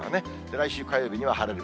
来週火曜日には晴れる。